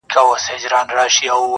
انسان نه یوازي خپل د ویلو مسؤل دی,